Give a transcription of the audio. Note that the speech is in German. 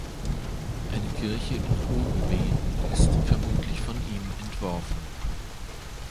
Eine Kirche in Hoogeveen ist vermutlich von ihm entworfen.